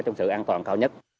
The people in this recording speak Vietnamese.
trong sự an toàn cao nhất